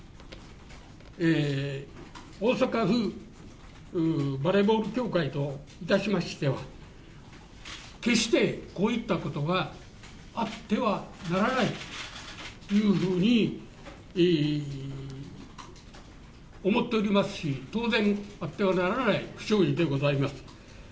大阪府バレーボール協会といたしましては、決してこういったことがあってはならないというふうに思っておりますし、当然、あってはならない不祥事でございます。